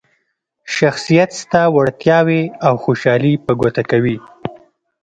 شخصیت ستا وړتیاوې او خوشحالي په ګوته کوي.